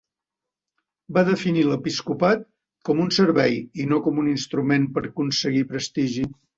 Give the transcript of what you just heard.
Va definir l'episcopat com un servei i no com un instrument per aconseguir prestigi.